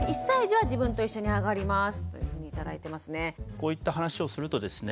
こういった話をするとですね